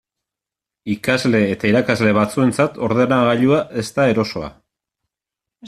Ikasle eta irakasle batzuentzat ordenagailua ez da erosoa.